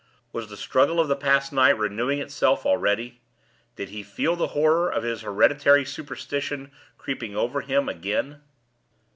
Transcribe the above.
Was the struggle of the past night renewing itself already? Did he feel the horror of his hereditary superstition creeping over him again?